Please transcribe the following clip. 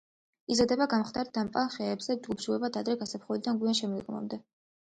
იზრდება გამხმარ და დამპალ ხეებზე ჯგუფ-ჯგუფად ადრე გაზაფხულიდან გვიან შემოდგომამდე.